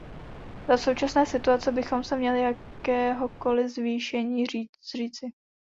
Za současné situace bychom se měli jakéhokoli zvýšení zříci.